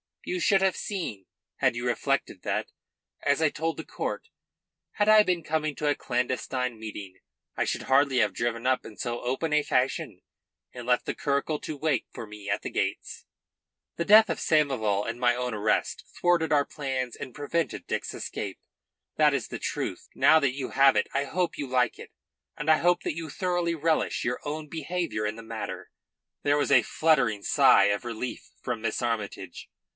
You should have seen, had you reflected, that as I told the court had I been coming to a clandestine meeting, I should hardly have driven up in so open a fashion, and left the curricle to wait for me at the gates. "The death of Samoval and my own arrest thwarted our plans and prevented Dick's escape. That is the truth. Now that you have it I hope you like it, and I hope that you thoroughly relish your own behaviour in the matter." There was a fluttering sigh of relief from Miss Armytage.